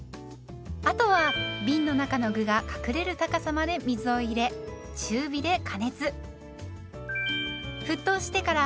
あとはびんの中の具が隠れる高さまで水を入れ中火で加熱。